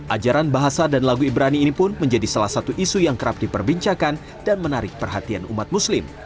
ajaran bahasa dan lagu ibrani ini pun menjadi salah satu isu yang kerap diperbincangkan dan menarik perhatian umat muslim